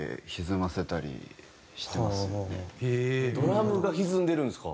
ドラムが歪んでるんですか。